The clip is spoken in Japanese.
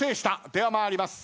では参ります。